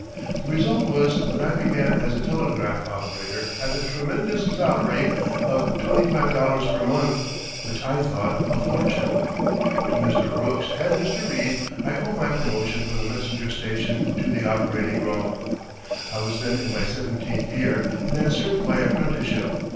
The result was that I began as a telegraph operator at the tremendous salary of twenty five dollars per month, which I thought a fortune. To Mr. Brooks and Mr. Reid I owe my promotion from the messenger's station to the operating room. I was then in my seventeenth year and had served my apprenticeship.